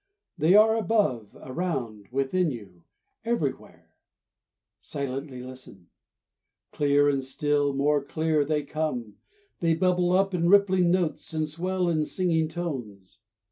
They are above, around, within you, everywhere. Silently listen! Clear, and still more clear, they come. They bubble up in rippling notes, and swell in singing tones.